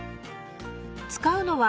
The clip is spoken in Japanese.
［使うのは］